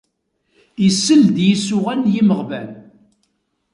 Isell-d i isuɣan n yimeɣban.